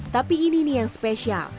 tapi ini nih yang spesial